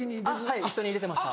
はい一緒に出てました。